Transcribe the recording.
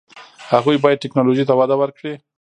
هغوی باید ټیکنالوژي ته وده ورکړي.